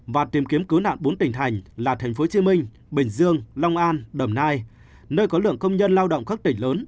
và tìm kiếm cứu nạn bốn tỉnh thành là tp hcm bình dương long an đồng nai nơi có lượng công nhân lao động các tỉnh lớn